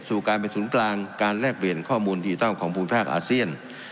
สู่การเป็นศูนย์กลางการแลกเปลี่ยนข้อมูลดิจิทัลของภูมิภาคอาเซียน